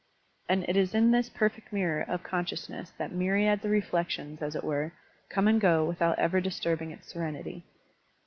And it is in this perfect nwrror of con sciousness that myriads of reflections, as it were, come and go without ever disturbing its serenity.